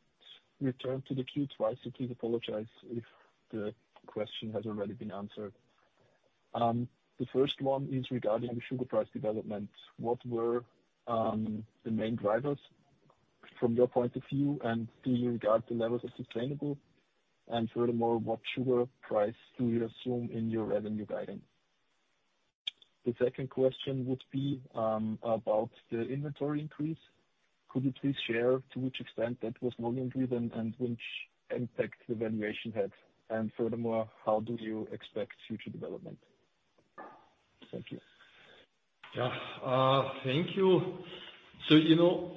returned to the queue twice. Please apologize if the question has already been answered. The first one is regarding the sugar price development. What were the main drivers from your point of view? Do you regard the levels of sustainable? Furthermore, what sugar price do you assume in your revenue guidance? The second question would be about the inventory increase. Could you please share to which extent that was volume-driven and which impact the valuation had? Furthermore, how do you expect future development? Thank you. Yeah. thank you. You know,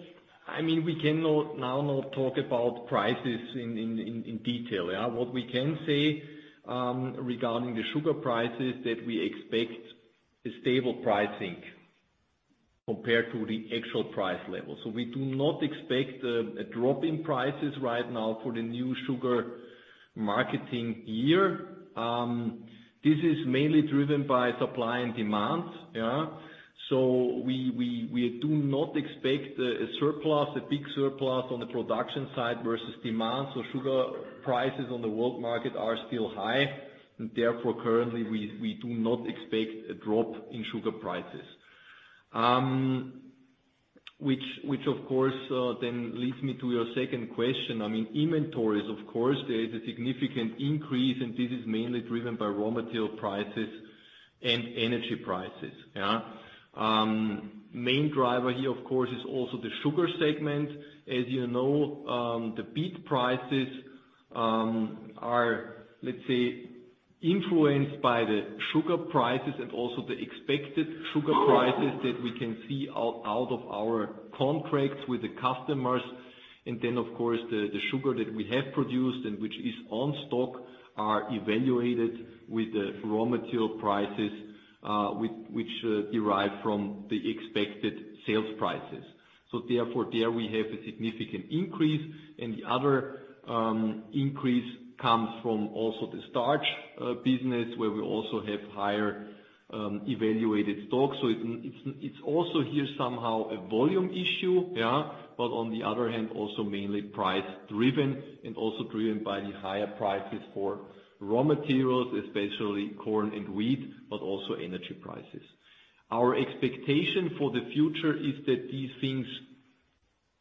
I mean, we cannot now not talk about prices in in in in detail, yeah? What we can say regarding the sugar prices is that we expect a stable pricing compared to the actual price level. We do not expect a drop in prices right now for the new sugar marketing year. This is mainly driven by supply and demand. We do not expect a big surplus on the production side versus demand. Sugar prices on the world market are still high. Therefore, currently, we do not expect a drop in sugar prices, which, of course, then leads me to your second question. I mean, inventories, of course, there is a significant increase. This is mainly driven by raw material prices and energy prices. Main driver here, of course, is also the Sugar segment. As you know, the beet prices are, let's say, influenced by the sugar prices and also the expected sugar prices that we can see out of our contracts with the customers. Then, of course, the sugar that we have produced and which is on stock are evaluated with the raw material prices, which derive from the expected sales prices. Therefore, there we have a significant increase. The other increase comes from also the Starch business where we also have higher, evaluated stocks. It's also here somehow a volume issue, yeah? On the other hand, also mainly price-driven and also driven by the higher prices for raw materials, especially corn and wheat but also energy prices. Our expectation for the future is that these things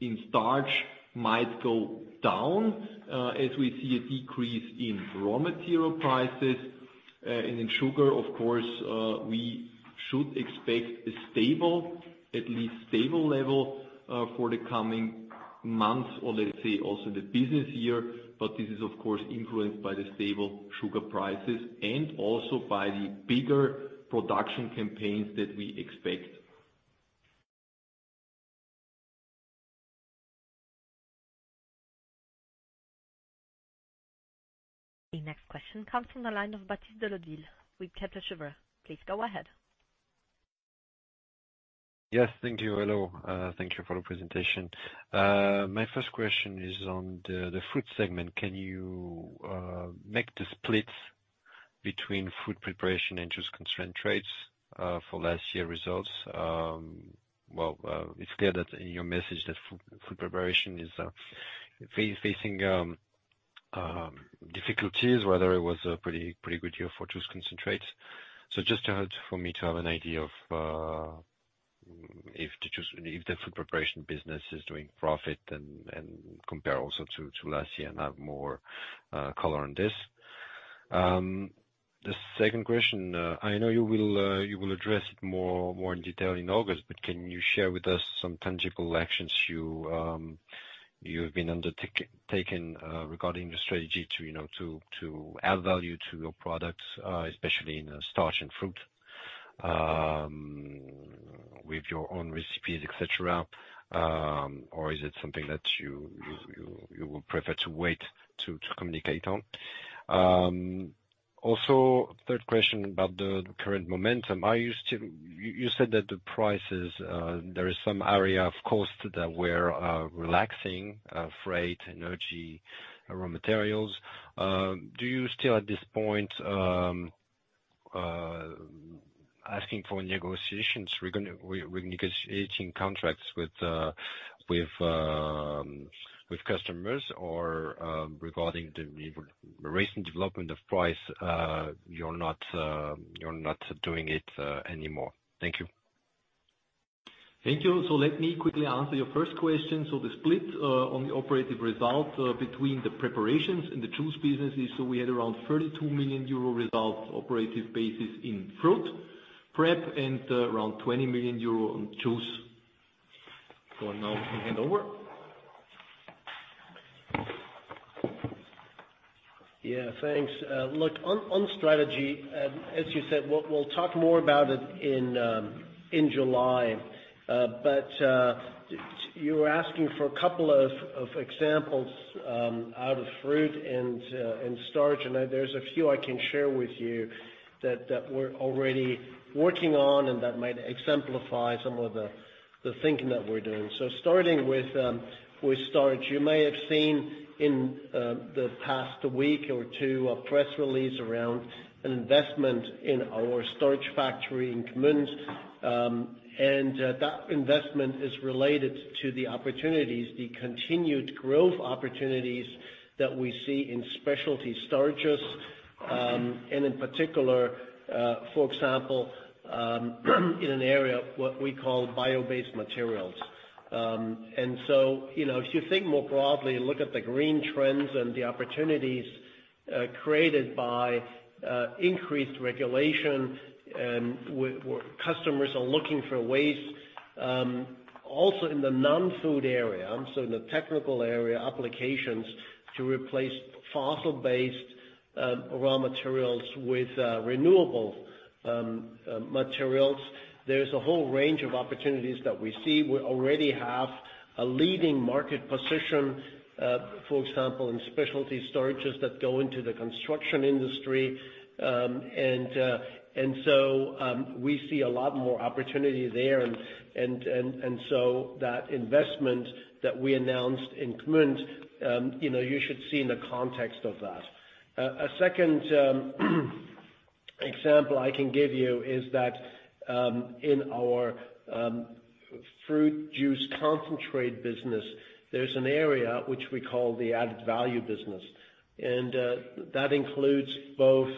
in Starch might go down, as we see a decrease in raw material prices. In sugar, of course, we should expect a stable at least stable level for the coming months or, let's say, also the business year. This is of course influenced by the stable sugar prices and also by the bigger production campaigns that we expect. The next question comes from the line of Baptiste de Leudeville with Kepler Cheuvreux. Please go ahead. Yes. Thank you. Hello. Thank you for the presentation. My first question is on the fruit segment. Can you make the splits between fruit preparation and juice concentrates for last year results? Well, it's clear that in your message that fruit preparation is facing difficulties, whether it was a pretty good year for juice concentrates. Just to have for me to have an idea of, if the fruit preparation business is doing profit and compare also to last year and have more color on this. Second question, I know you will address it more in detail in August. Can you share with us some tangible actions you have been undertaken regarding the strategy to, you know, to add value to your products, especially in starch and fruit, with your own recipes, etc.? Is it something that you will prefer to wait to communicate on? Third question about the current momentum. Are you still said that the prices there is some area, of course, that were relaxing, freight, energy, raw materials? Do you still at this point, asking for negotiations regarding renegotiating contracts with customers or, regarding the recent development of price, you're not doing it anymore? Thank you. Thank you. Let me quickly answer your first question. The split, on the operative result, between the preparations and the juice business is we had around 32 million euro result operative basis in fruit prep and, around 20 million euro on juice. Now we can hand over. Yeah. Thanks. Look, on strategy, as you said, we'll talk more about it in July. You were asking for a couple of examples, out of fruit and starch. I there's a few I can share with you that we're already working on. That might exemplify some of the thinking that we're doing. Starting with starch, you may have seen in, the past week or two, a press release around an investment in our starch factory in Gmünd. That investment is related to the opportunities the continued growth opportunities that we see in specialty starches, and in particular, for example, in an area what we call bio-based materials. You know, if you think more broadly and look at the green trends and the opportunities, created by, increased regulation and where customers are looking for ways, also in the non-food area, so in the technical area applications to replace fossil-based, raw materials with, renewable, materials, there's a whole range of opportunities that we see. We already have a leading market position, for example, in specialty starches that go into the construction industry. We see a lot more opportunity there. That investment that we announced in Gmünd, you know, you should see in the context of that. A second example I can give you is that in our fruit juice concentrate business, there's an area which we call the added value business. That includes both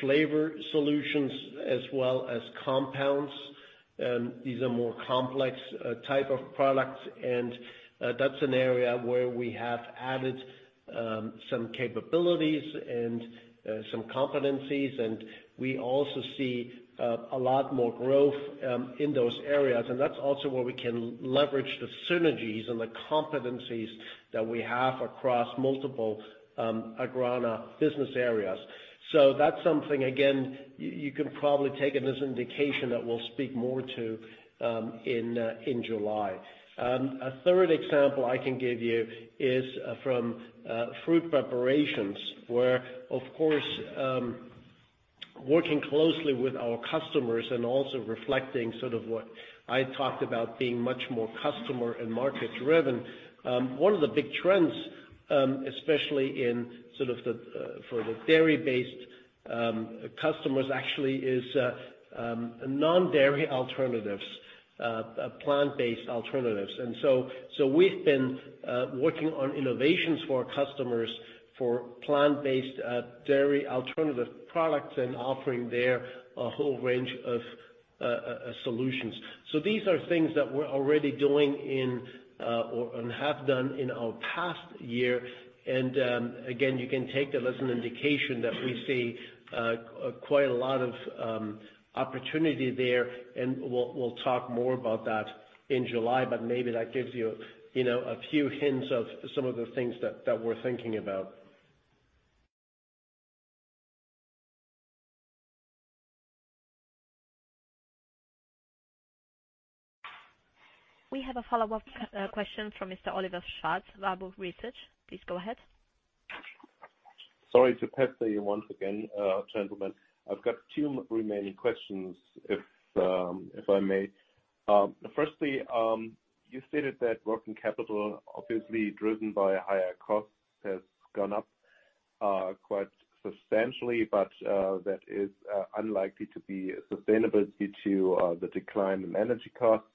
flavor solutions as well as compounds. These are more complex type of products. That's an area where we have added some capabilities and some competencies. We also see a lot more growth in those areas. That's also where we can leverage the synergies and the competencies that we have across multiple AGRANA business areas. That's something, again, you can probably take it as an indication that we'll speak more to in July. A third example I can give you is, from, Fruit Preparations where, of course, working closely with our customers and also reflecting sort of what I talked about being much more customer and market-driven, one of the big trends, especially in sort of the, for the dairy-based, customers actually is, non-dairy alternatives, plant-based alternatives. We've been, working on innovations for our customers for plant-based, dairy alternative products and offering there a whole range of, solutions. These are things that we're already doing in, or and have done in our past year. Again, you can take that as an indication that we see, quite a lot of, opportunity there. We'll talk more about that in July. Maybe that gives you know, a few hints of some of the things that we're thinking about. We have a follow-up, question from Mr. Oliver Schwarz, Warburg Research. Please go ahead. Sorry to pester you once again, gentlemen. I've got two remaining questions if I may. Firstly, you stated that working capital, obviously driven by higher costs, has gone up quite substantially. That is unlikely to be sustainable due to the decline in energy costs.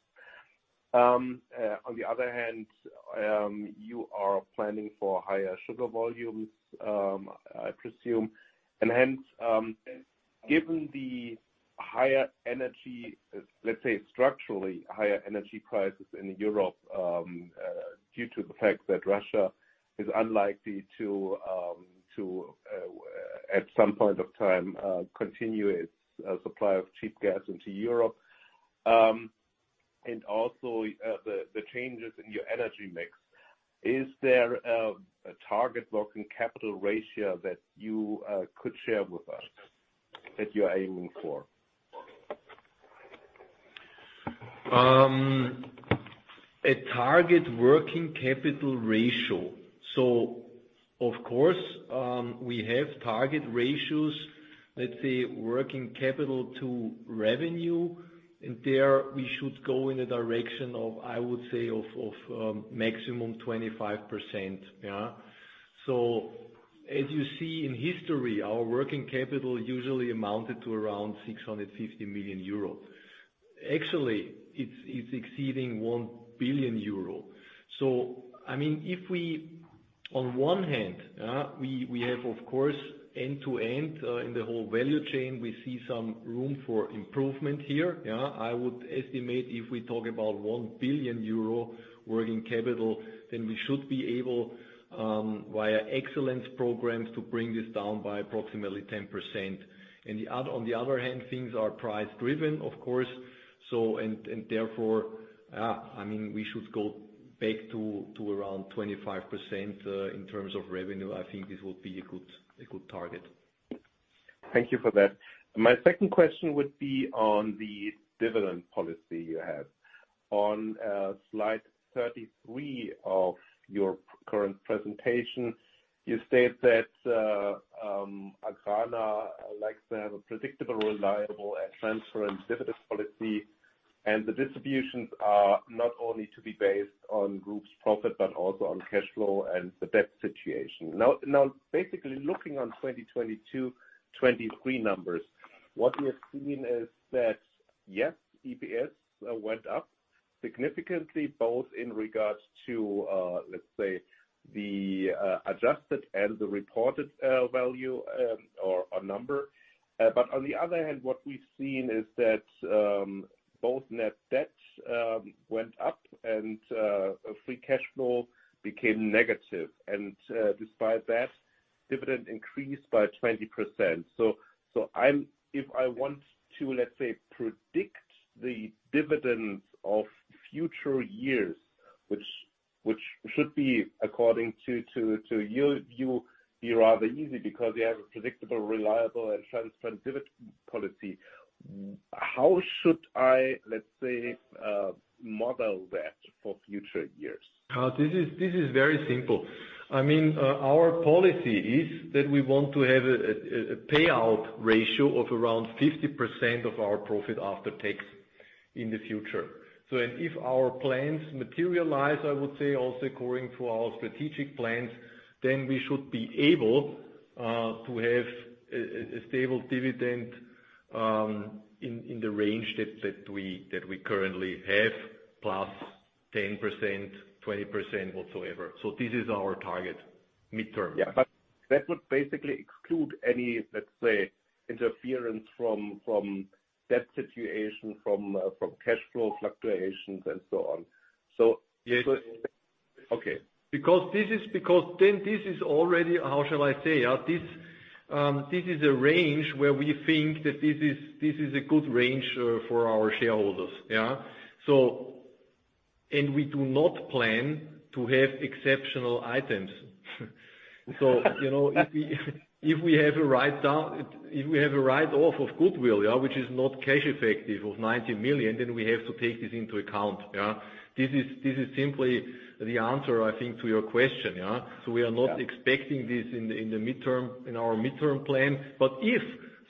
On the other hand, you are planning for higher sugar volumes, I presume. Hence, given the higher energy, let's say, structurally higher energy prices in Europe, due to the fact that Russia is unlikely to at some point of time continue its supply of cheap gas into Europe, and also, the changes in your energy mix, is there a target working capital ratio that you could share with us that you're aiming for? A target working capital ratio. Of course, we have target ratios, let's say, working capital to revenue. There, we should go in the direction of, I would say, of, maximum 25%. As you see in history, our working capital usually amounted to around 650 million euro. Actually, it's exceeding 1 billion euro. I mean, if we on one hand, we have, of course, end-to-end, in the whole value chain, we see some room for improvement here. I would estimate if we talk about 1 billion euro working capital, then we should be able, via excellence programs to bring this down by approximately 10%. The other on the other hand, things are price-driven, of course. Therefore, I mean, we should go back to around 25% in terms of revenue. I think this would be a good target. Thank you for that. My second question would be on the dividend policy you have. On slide 33 of your current presentation, you state that AGRANA likes to have a predictable, reliable, and transparent dividend policy. The distributions are not only to be based on group's profit but also on cash flow and the debt situation. Now, basically, looking on 2022/23 numbers, what we have seen is that, yes, EPS went up significantly both in regards to, let's say, the adjusted and the reported value, or number. On the other hand, what we've seen is that both net debt went up. Free cash flow became negative. Despite that, dividend increased by 20%. I'm if I want to, let's say, predict the dividends of future years, which should be according to your view, be rather easy because you have a predictable, reliable, and transparent dividend policy. How should I, let's say, model that for future years? This is very simple. I mean, our policy is that we want to have a payout ratio of around 50% of our profit after tax in the future. If our plans materialize, I would say, also according to our strategic plans, then we should be able to have a stable dividend in the range that we currently have plus 10%, 20%, whatsoever. This is our target mid-term. Yeah. That would basically exclude any, let's say, interference from debt situation, from cash flow fluctuations, and so on. Okay. Because then this is already how shall I say? This is a range where we think that this is a good range for our shareholders. We do not plan to have exceptional items. You know, if we have a write-down if we have a write-off of goodwill, which is not cash-effective of 90 million, then we have to take this into account. This is simply the answer, I think, to your question. We are not expecting this in the mid-term in our mid-term plan. If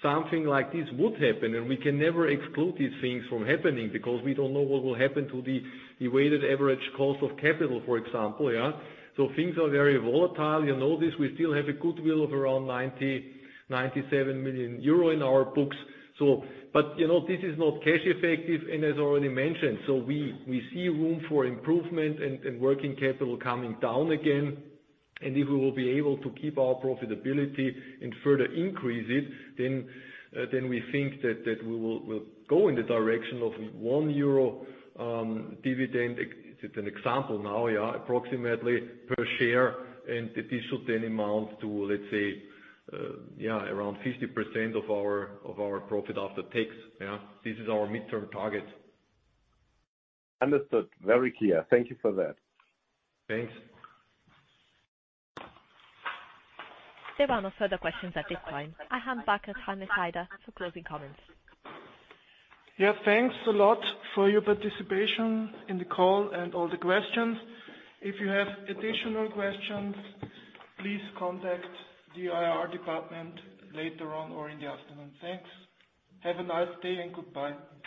something like this would happen and we can never exclude these things from happening because we don't know what will happen to the weighted average cost of capital, for example. Things are very volatile. You know this. We still have a goodwill of around 97 million euro in our books. But, you know, this is not cash-effective. As already mentioned, we see room for improvement and working capital coming down again. If we will be able to keep our profitability and further increase it, then we think that we will go in the direction of 1 euro, dividend ex an example now, approximately per share. This should then amount to, let's say, around 50% of our profit after tax. This is our mid-term target. Understood. Very clear. Thank you for that. Thanks. There were no further questions at this time. I hand back to Hannes Haider for closing comments. Thanks a lot for your participation in the call and all the questions. If you have additional questions, please contact the IR department later on or in the afternoon. Thanks. Have a nice day. Goodbye.